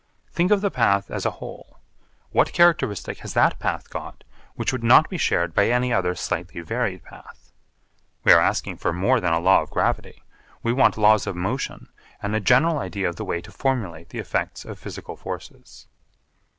Think of the path as a whole. What characteristic has that path got which would not be shared by any other slightly varied path? We are asking for more than a law of gravity. We want laws of motion and a general idea of the way to formulate the effects of physical forces.